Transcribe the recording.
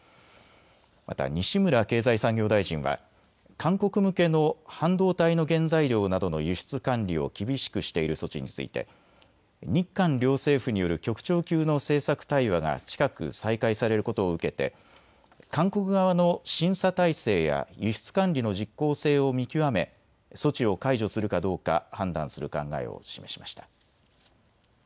また西村経済産業大臣は韓国向けの半導体の原材料などの輸出管理を厳しくしている措置について日韓両政府による局長級の政策対話が近く再開されることを受けて韓国側の審査体制や輸出管理の実効性を見極め措置を解除するかどうか判断する考えを示しました。